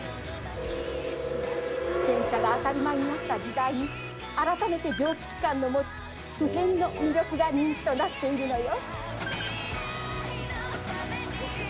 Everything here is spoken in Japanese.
電車が当たり前になった時代に改めて蒸気機関の持つ不変の魅力が人気となっているのよ。